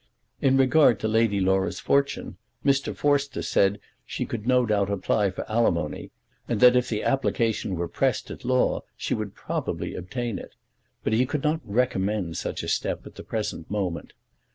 In regard to Lady Laura's fortune, Mr. Forster said that she could no doubt apply for alimony, and that if the application were pressed at law she would probably obtain it; but he could not recommend such a step at the present moment.